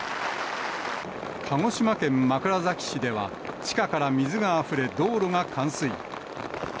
鹿児島県枕崎市では、地下から水があふれ、道路が冠水。